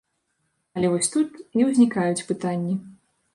Але вось тут і ўзнікаюць пытанні.